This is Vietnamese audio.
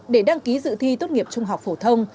để đăng ký dự thi tốt nghiệp trung học phổ thông